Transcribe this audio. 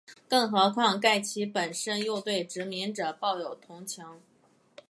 更何况盖奇本身又对殖民者抱有同情。